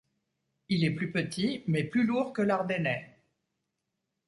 Il est plus petit, mais plus lourd que l'Ardennais.